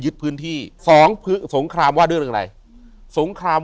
อยู่ที่แม่ศรีวิรัยิลครับ